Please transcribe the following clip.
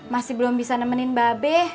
masih belum bisa nemenin mbak be